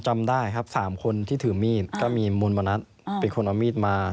จำได้ครับ๓คนที่ถือมีดก็มีมูลมณัฐเป็นคนเอามีดมา